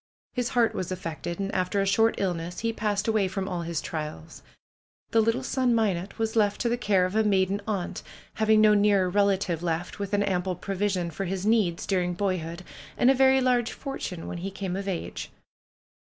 His heart was affected, and after a short illness he passed away from all his trials The little son, 'Minot, was left to the care of a maiden aunt, having no nearer relative left with an ample pro vision for his needs during boyhood, and a very large fortune when he came of age.